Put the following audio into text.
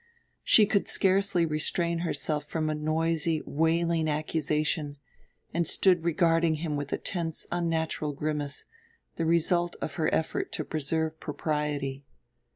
She could scarcely restrain herself from a noisy wailing accusation, and stood regarding him with a tense unnatural grimace, the result of her effort to preserve propriety.